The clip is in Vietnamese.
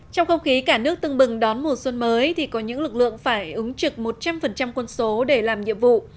trong không khí cả nước tưng bừng đón mùa xuân mới thì có những lực lượng phải ứng trực một trăm linh quân số để làm nhiệm vụ